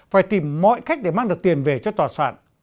phải tìm mọi cách để mang được tiền về cho tòa soạn